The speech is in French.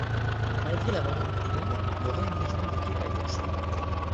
Malgré l'abandon du tunnel, le réaménagement des quais a été achevé.